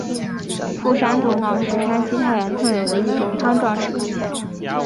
傅山头脑是山西太原特有的一种汤状食品。